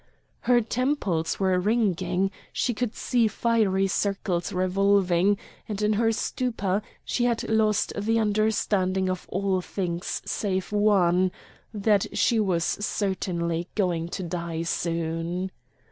Her temples were ringing, she could see fiery circles revolving, and in her stupor she had lost the understanding of all things save one, that she was certainly going to die soon.